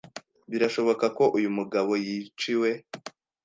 Birashoboka ko uyu mugabo yiciwe.